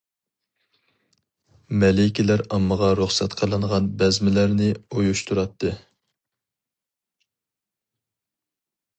مەلىكىلەر ئاممىغا رۇخسەت قىلىنغان بەزمىلەرنى ئۇيۇشتۇراتتى.